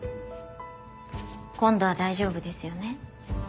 今度は大丈夫ですよね？